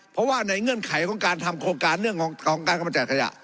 เพราะว่าในเงื่อนไขของการทำโครงการเรื่องของการกำจัดขยะ